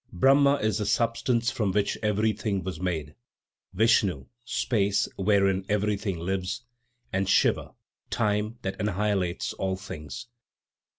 Brahma is the substance from which everything was made; Vishnu, space wherein everything lives; and Siva, time that annihilates all things.